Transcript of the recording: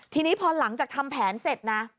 ทีนี้พอหลังจากทำแผนเสร็จนะ